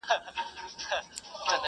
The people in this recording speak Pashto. محفل به رنګین نه کي دا سوځلي وزرونه.!